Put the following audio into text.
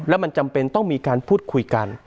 แล้วมันจำเป็นต้องมีการพูดคุยกัน